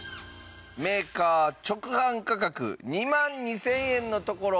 メーカー直販価格２万２０００円のところなんと。